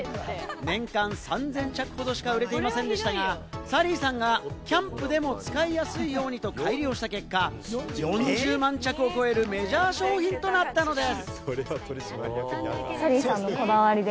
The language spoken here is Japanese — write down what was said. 年間３０００着ほどしか売れていませんでしたが、サリーさんがキャンプでも使いやすいようにと改良した結果、４０万着を超えるメジャー商品となったのです。